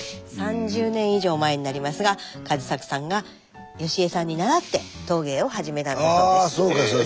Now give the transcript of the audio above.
３０年以上前になりますが和作さんが良恵さんに習って陶芸を始めたんだそうです。